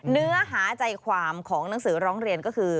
เนื้อหาใจความของหนังสือร้องเรียนก็คือ